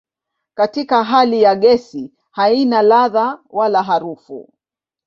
Katika hali ya gesi haina ladha wala harufu.